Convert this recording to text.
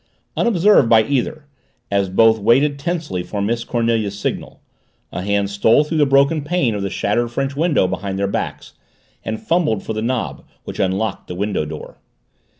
Unobserved by either, as both waited tensely for Miss Cornelia's signal, a Hand stole through the broken pane of the shattered French window behind their backs and fumbled for the knob which unlocked the window door.